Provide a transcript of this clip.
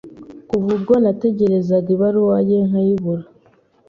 kuva ubwo nategerezaga ibaruwa ye nkayibura.